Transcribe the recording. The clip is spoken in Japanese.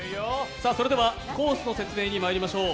それではコースの説明にまいりましょう。